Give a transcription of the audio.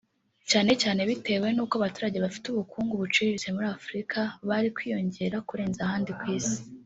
cyane cyane bitewe n’uko abaturage bafite ubukungu bucirirtse muri Afurika bari kwiyongera kurenza ahandi ku isi